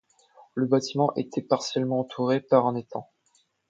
Le bâtiment était partiellement entouré par un étang.